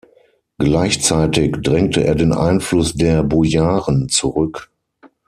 Gleichzeitig drängte er den Einfluss der Bojaren zurück.